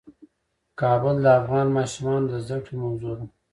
کابل د افغان ماشومانو د زده کړې موضوع ده.